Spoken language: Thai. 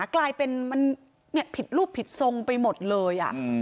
กลายเป็นมันผิดรูปผิดทรงไปหมดเลย